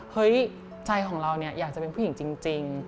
เฮ้ยใจของเราเนี่ยอยากจะเป็นผู้หญิงจริง